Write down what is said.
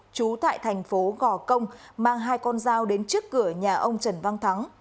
trú tại thành phố gò công mang hai con dao đến trước cửa nhà ông trần văn thắng